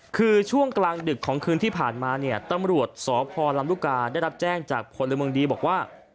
คือช่วงกลางดึกของคืนที่ผ่านมาเนี่ยตำรวจสพลำลูกกาได้รับแจ้งจากพลเมืองดีบอกว่า